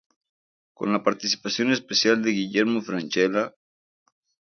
Con la participación especial de Guillermo Francella.